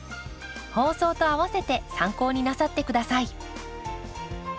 放送とあわせて参考になさって下さい。